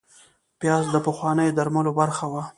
پیاز د پخوانیو درملو برخه وه